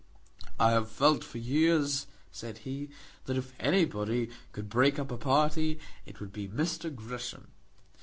"I have felt for years," said he, "that if anybody could break up the party it would be Mr. Gresham."